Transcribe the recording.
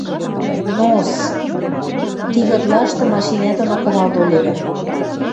Но-с... тигытлашты машинӓ доно кыдал толевӹ